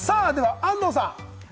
安藤さん。